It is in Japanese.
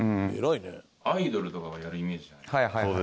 アイドルとかがやるイメージじゃないですか。